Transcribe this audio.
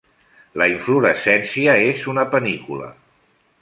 La inflorescència és una panícula.